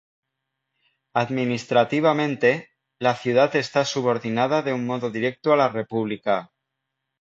Administrativamente, la ciudad está subordinada de un modo directo a la república.